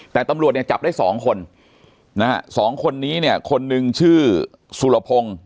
แต่ตำรวจจับได้๒คน๒คนนี้คนหนึ่งชื่อสุละพงต์